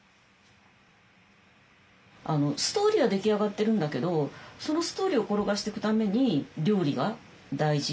ストーリーは出来上がってるんだけどそのストーリーを転がしていくために料理が大事。